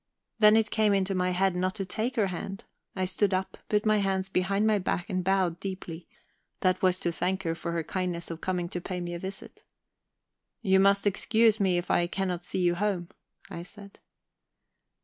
Then it came into my head not to take her hand. I stood up, put my hands behind my back, and bowed deeply; that was to thank her for her kindness in coming to pay me a visit. "You must excuse me if I cannot see you home," I said.